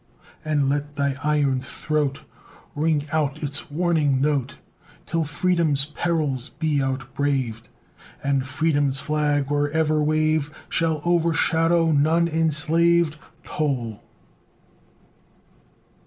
And let thy iron throat Ring out its warning note, Till Freedom's perils be outbraved, And Freedom's flag, wherever waved, Shall overshadow none enslaved! Toll!